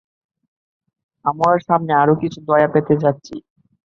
আমরা সামনে আরও কিছু দয়া পেতে যাচ্ছি?